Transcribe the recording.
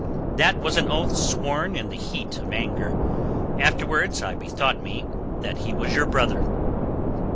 "That was an oath sworn in the heat of anger. Afterwards I bethought me that he was your brother."